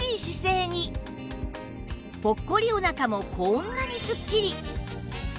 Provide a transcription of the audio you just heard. ぽっこりお腹もこんなにすっきり！